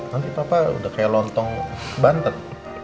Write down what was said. nanti papa sudah kaya lontong bantet